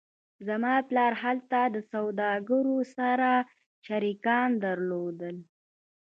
زما پلار هلته له سوداګرو سره شریکان درلودل